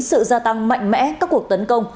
sự gia tăng mạnh mẽ các cuộc tấn công